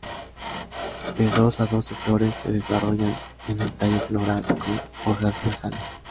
De dos a doce flores se desarrollan en el tallo floral con hojas basales.